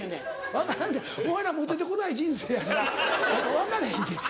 分からんねんお前らモテてこない人生やから分かれへんねん。